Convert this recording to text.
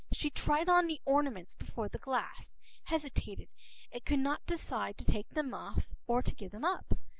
She tried on the ornaments before the glass, hesitated, and could not decide to take them off and to give them up.